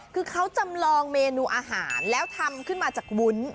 คือเขาจำลองเมนูอาหารแล้วทำขึ้นมาจากวุ้น